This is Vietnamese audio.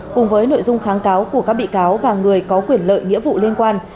cùng với nội dung kháng cáo của các bị cáo và người có quyền lợi nghĩa vụ liên quan